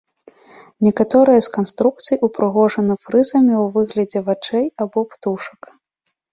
Некаторыя з канструкцый упрыгожаны фрызамі ў выглядзе вачэй або птушак.